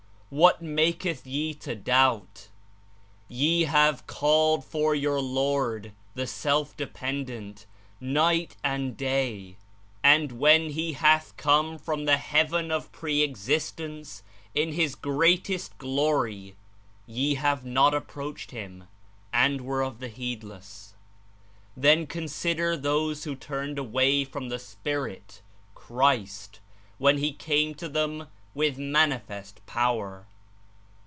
What maketh ye to doubt? Ye have called for your Lord, the Self dependent, night and day, and when He hath come from the Heaven of Pre existence in His Great est Glory, ye have not approached Him, and were of the heedless. Then consider those who turned away from the Spirit (Christ) when He came to them with manifest power.